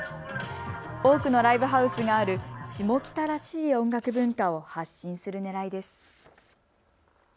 多くのライブハウスがある下北らしい音楽文化を発信するねらいです。